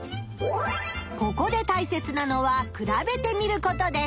ここでたいせつなのは比べてみることです。